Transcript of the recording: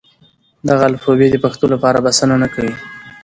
دغه الفبې د پښتو لپاره بسنه نه کوي.